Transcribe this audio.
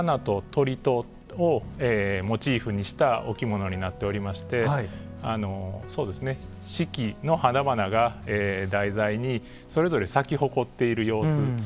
こちらは花と鳥をモチーフにしたお着物になっておりまして四季の花々が題材にそれぞれ咲き誇っている様子